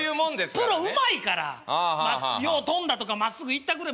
プロうまいからよう飛んだとかまっすぐ行ったぐらい。